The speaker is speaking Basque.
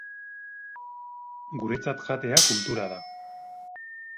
Guretzat jatea kultura da.